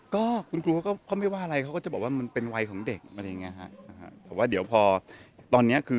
ก็คนครูพอไม่ว่าอะไรเขาก็จะบอกว่ามันเป็นวัยของเด็ก